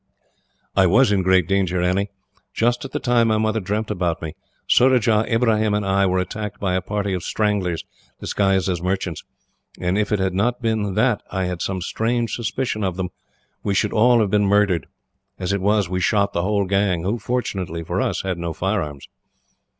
"I was in great danger, Annie. Just at the time my mother dreamt about me, Surajah, Ibrahim, and I were attacked by a party of Stranglers, disguised as merchants; and if it had not been that I had some strange suspicion of them, we should all have been murdered. As it was, we shot the whole gang, who, fortunately for us, had no firearms."